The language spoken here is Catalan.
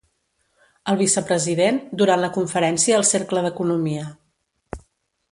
El vicepresident, durant la conferència al Cercle d'Economia.